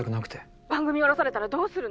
番組降ろされたらどうするの？